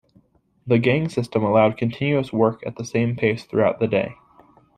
The gang system allowed continuous work at the same pace throughout the day.